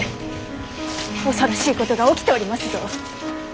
恐ろしいことが起きておりますぞ。